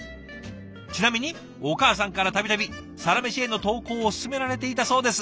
ちなみにお母さんから度々「サラメシ」への投稿を勧められていたそうです。